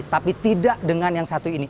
tapi tidak dengan yang satu ini